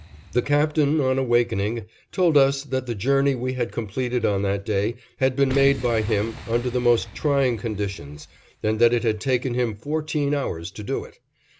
The Captain, on awakening, told us that the journey we had completed on that day had been made by him under the most trying conditions, and that it had taken him fourteen hours to do it.